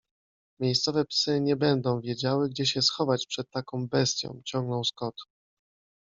Miejscowe psy nie będą wiedziały, gdzie się schować przed taką bestią ciągnął Scott. -